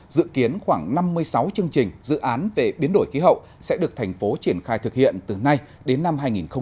dự kiến khoảng năm mươi sáu chương trình dự án về biến đổi khí hậu sẽ được thành phố triển khai thực hiện từ nay đến năm hai nghìn hai mươi